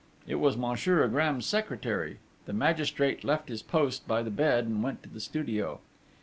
It was Monsieur Agram's secretary. The magistrate left his post by the bed and went into the studio.